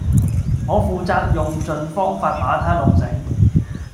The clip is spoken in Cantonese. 我負責用盡方法把她弄醒